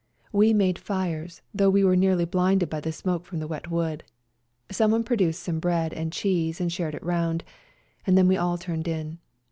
We made fires, though we were nearly blinded by the smoke from the wet wood ; someone produced some bread and cheese and shared it round, and then we all turned in.